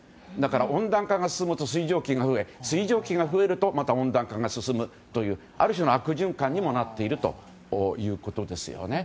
温暖化が進むと水蒸気が増え水蒸気が増えるとまた温暖化が進むというある種の悪循環にもなっているということですよね。